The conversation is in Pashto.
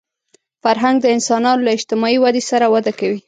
فرهنګ د انسانانو له اجتماعي ودې سره وده کوي